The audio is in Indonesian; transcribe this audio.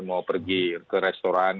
mau pergi ke restoran